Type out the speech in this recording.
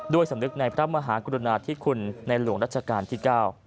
สำนึกในพระมหากรุณาธิคุณในหลวงรัชกาลที่๙